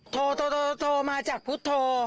โทโทโทโทโทโทมาจากพุทธโท